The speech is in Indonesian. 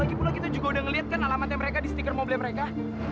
lagipula kita juga udah ngelihat kan alamatnya mereka di stiker mobilnya mereka